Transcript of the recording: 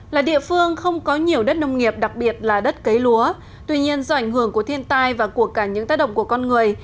là địa phương không có nhiều đất nông nghiệp đặc biệt là đất cấy lúa tuy nhiên do ảnh hưởng của thiên tai và của cả những tác động của con người